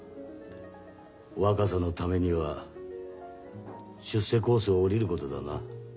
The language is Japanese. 若さのためには出世コースを降りることだな。